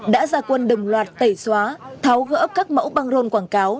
đã ra quân đồng loạt tẩy xóa tháo gỡ các mẫu băng rôn quảng cáo